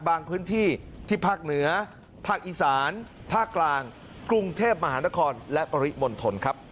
พื้นที่ที่ภาคเหนือภาคอีสานภาคกลางกรุงเทพมหานครและปริมณฑลครับ